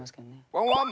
ワンワン！